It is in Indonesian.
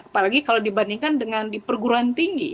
apalagi kalau dibandingkan dengan di perguruan tinggi